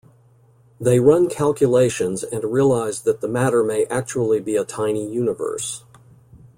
They run calculations and realize that the matter may actually be a tiny universe.